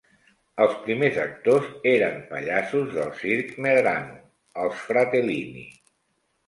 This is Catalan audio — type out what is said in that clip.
Els primers actors eren pallassos del circ Medrano, els Fratellini.